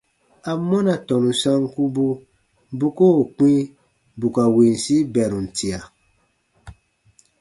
Amɔna tɔnu sankubu bu koo kpĩ bù ka winsi bɛrum tia?